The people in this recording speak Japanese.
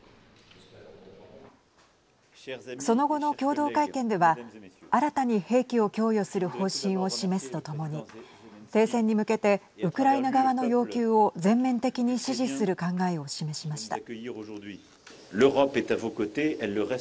その後の共同会見では新たに兵器を供与する方針を示すとともに停戦に向けてウクライナ側の要求を全面的に支持する考えを示しました。